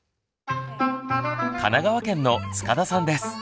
神奈川県の塚田さんです。